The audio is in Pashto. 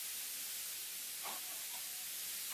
د توپان هیبت وحشت وو راوستلی